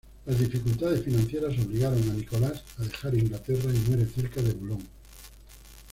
Las dificultades financieras obligaron a Nicholas a dejar Inglaterra, y muere cerca de Boulogne.